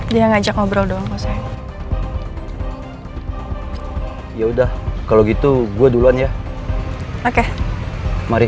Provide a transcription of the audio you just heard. dia ngajak ngobrol doang ya udah kalau gitu gue duluan ya oke mari